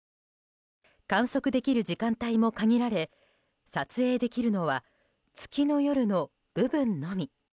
観測できる時間帯も限られ撮影できるのは月の夜の部分のみ。